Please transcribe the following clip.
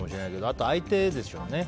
あと、相手でしょうね。